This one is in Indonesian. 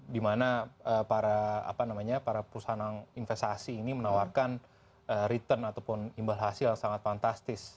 dimana para perusahaan investasi ini menawarkan return ataupun imbal hasil yang sangat fantastis